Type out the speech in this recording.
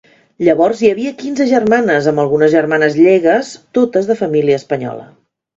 Llavors hi havia quinze germanes, amb algunes germanes llegues, totes de família espanyola.